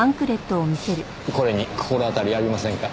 これに心当たりありませんか？